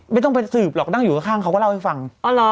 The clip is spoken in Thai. ไม่ต้องไปสืบหรอกนั่งอยู่ข้างเขาก็เล่าให้ฟัง